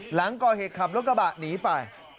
หลังก่อเหตุขับรถกระบะหนีไป